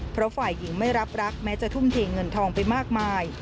เพราะฝ่ายหญิงไม่รับรักแม้จะทุ่มเทเงินทองไปมากมาย